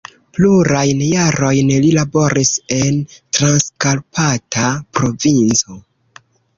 Plurajn jarojn li laboris en Transkarpata provinco.